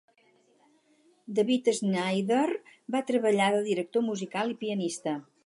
David Snyder va treballar de director musical i pianista.